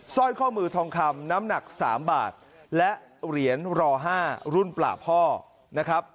สร้อยข้อมือทองคำน้ำหนัก๓บาทและเหรียญรอ๕รุ่นปลาพ่อนะครับ